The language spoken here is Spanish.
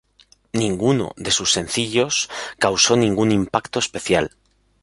Ninguno de sus sencillos causó ningún impacto especial.